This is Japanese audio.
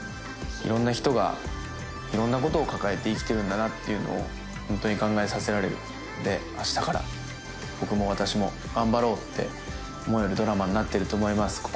いろんな人がいろんなことを抱えて生きてるんだなっていうのを本当に考えさせられるんで明日から僕も私も頑張ろうって思えるドラマになってると思います